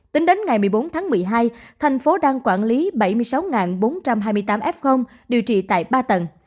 tính đến ngày một mươi bốn tháng một mươi hai thành phố đang quản lý bảy mươi sáu bốn trăm hai mươi tám f điều trị tại ba tầng